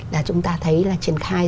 là chúng ta thấy là triển khai